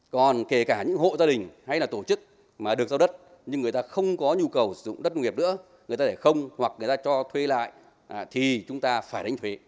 còn kể cả những hộ gia đình hay là tổ chức mà được giao đất nhưng người ta không có nhu cầu sử dụng đất nghiệp nữa người ta để không hoặc người ta cho thuê lại thì chúng ta phải đánh thuế